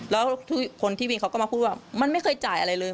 แล้วคนที่วินเขาก็มาพูดว่ามันไม่เคยจ่ายอะไรเลย